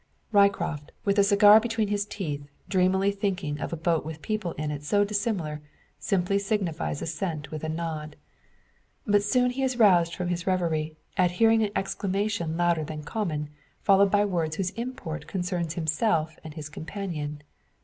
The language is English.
Ryecroft, with a cigar between his teeth, dreamily thinking of a boat with people in it so dissimilar, simply signifies assent with a nod. But soon he is roused from his reverie, at hearing an exclamation louder than common, followed by words whose import concerns himself and his companion.